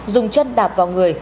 dùng chân đạp vào người